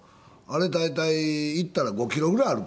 あれ大体行ったら５キロぐらい歩くんです。